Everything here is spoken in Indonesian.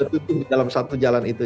tutup di dalam satu jalan itu